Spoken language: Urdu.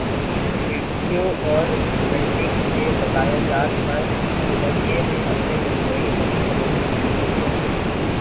ویڈیو اور ویلڈنگ کے بقایاجات پر گڈریے نے اپنے بہنوئی غنی بلوچ کو مدعو کیا